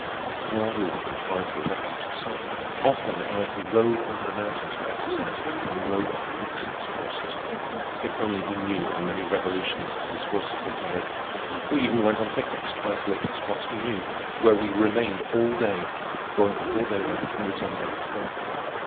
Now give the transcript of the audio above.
Nor were we confined to the refuge itself. Often at night we rode over the mountains for exercise, and we rode on Wickson's horses. If only he knew how many revolutionists his horses have carried! We even went on picnics to isolated spots we knew, where we remained all day, going before daylight and returning after dark.